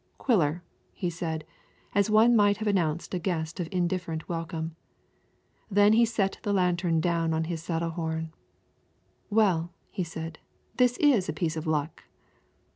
"Quiller," he said, as one might have announced a guest of indifferent welcome. Then he set the lantern down on his saddle horn. "Well," he said, "this is a piece of luck."